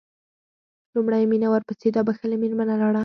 لومړی مينه ورپسې دا بښلې مېرمنه لاړه.